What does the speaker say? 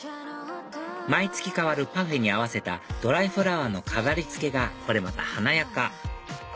毎月替わるパフェに合わせたドライフラワーの飾り付けがこれまた華やか